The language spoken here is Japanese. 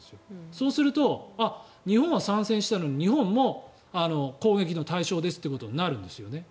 そうすると、日本は参戦したので日本も攻撃の対象ですとなるわけですよね。